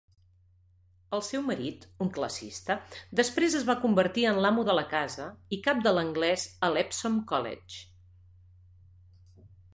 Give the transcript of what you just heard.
El seu marit, un classicista, després es va convertir en l'amo de la casa i cap de l'anglès a l'Epsom College.